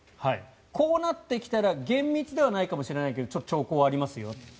こうなってきたら厳密ではないかもしれないけど兆候がありますよ。